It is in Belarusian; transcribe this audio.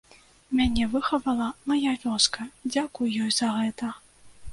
Мяне выхавала мая вёска, дзякуй ёй за гэта.